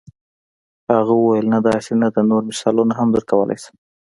هغه وویل نه داسې نه ده نور مثالونه هم درکولای شم.